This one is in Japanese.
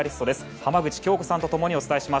浜口京子さんと共にお伝えします。